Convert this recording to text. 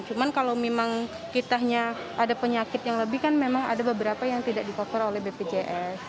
cuman kalau memang kita ada penyakit yang lebih kan memang ada beberapa yang tidak di cover oleh bpjs